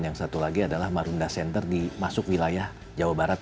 yang satu lagi adalah marunda center di masuk wilayah jawa barat